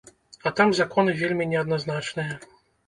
А там законы вельмі неадназначныя.